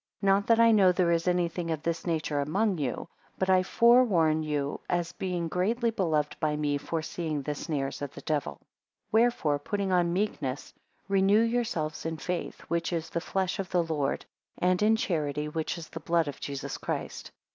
6 Not that I know there is any thing of this nature among you; but I fore arm you, as being greatly beloved by me, foreseeing the snares of the devil. 7 Wherefore putting on meekness, renew yourselves in faith, which is the flesh of the Lord; and in charity, which is the blood of Jesus Christ.